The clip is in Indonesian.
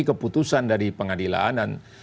keputusan dari pengadilan